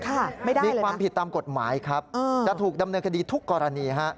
ไม่ได้มีความผิดตามกฎหมายครับจะถูกดำเนินคดีทุกกรณีฮะ